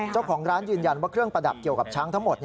เจ้าของร้านยืนยันว่าเครื่องประดับเกี่ยวกับช้างทั้งหมด